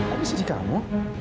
kok bisa di kamu